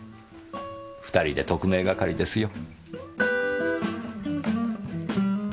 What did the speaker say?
２人で特命係ですよ。